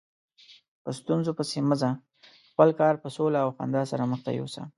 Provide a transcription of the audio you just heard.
په ستونزو پسې مه ځه، خپل کار په سوله او خندا سره مخته یوسه.